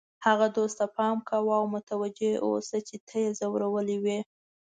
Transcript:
هغه دوست ته پام کوه او متوجه اوسه چې تا یې ځورولی وي.